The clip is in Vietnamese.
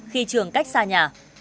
khi trường cách xa nhà